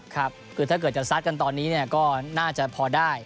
ครับคือถ้าเกิดจะซัดกันตอนนี้เนี่ยก็น่าจะพอได้